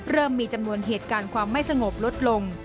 มีจำนวนเหตุการณ์ความไม่สงบลดลง